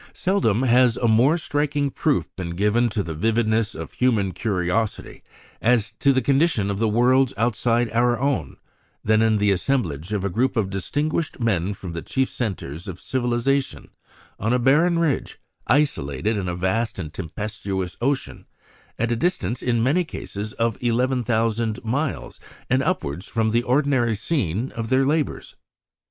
Seldom has a more striking proof been given of the vividness of human curiosity as to the condition of the worlds outside our own, than in the assemblage of a group of distinguished men from the chief centres of civilisation, on a barren ridge, isolated in a vast and tempestuous ocean, at a distance, in many cases, of 11,000 miles and upwards from the ordinary scene of their labours.